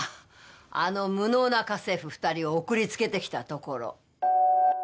あの無能な家政婦２人を送りつけてきたところ。